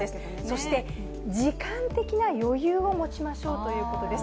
そして時間的な余裕を持ちましょうということです。